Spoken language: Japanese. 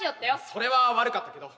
それは悪かったけど。